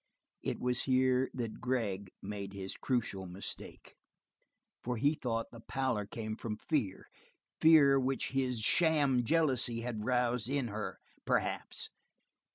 It was here that Gregg made his crucial mistake, for he thought the pallor came from fear, fear which his sham jealousy had roused in her, perhaps.